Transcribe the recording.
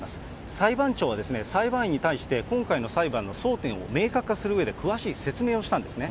裁判長は裁判員に対して今回の裁判の争点を明確化するうえで詳しい説明をしたんですね。